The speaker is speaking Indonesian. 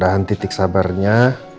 tapi pak amarnya